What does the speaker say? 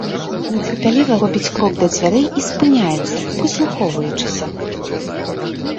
Нецярпліва робіць крок да дзвярэй і спыняецца, прыслухоўваючыся.